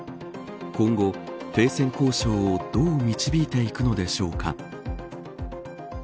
今後、停戦交渉をどう導いていくのでしょうか。